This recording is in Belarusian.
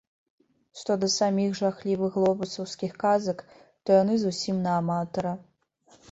Што да саміх жахлівых глобусаўскіх казак, то яны зусім на аматара.